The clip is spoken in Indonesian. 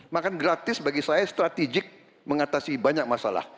makan gratis bagi saya strategik mengatasi banyak masalah